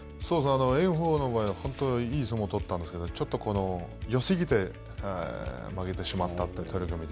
炎鵬の場合は、本当いい相撲を取ったんですけどちょっとよすぎて負けてしまったという取組で。